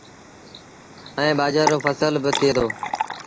ائيٚݩ ٻآجھر رو ڦسل ٿئي دو۔